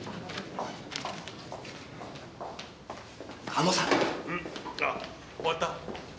あっ終わった？